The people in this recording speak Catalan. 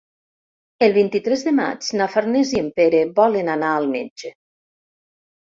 El vint-i-tres de maig na Farners i en Pere volen anar al metge.